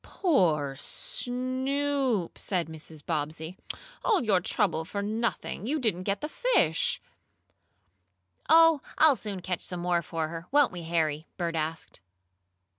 "Poor Snoop!" said Mrs. Bobbsey. "All your trouble for nothing! You didn't get the fish." "Oh, I'll soon catch some more for her, won't we, Harry?" Bert asked.